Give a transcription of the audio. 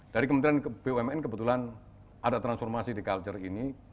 dari kementerian bumn kebetulan ada transformasi di culture ini